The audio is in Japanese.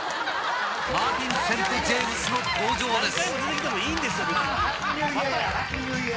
マーティン・ＳＴ・ジェームスの登場です